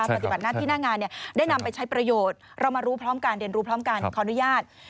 ปฏิบัติหน้าที่หน้างานได้นำไปใช้ประโยชน์เรามารู้พร้อมการเรียนรู้พร้อมกันขออนุญาต